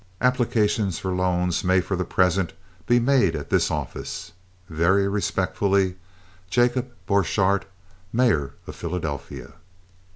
Applications for loans may for the present be made at this office. Very respectfully, JACOB BORCHARDT, _Mayor of Philadelphia.